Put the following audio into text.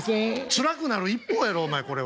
「つらくなる一方やろお前これは」。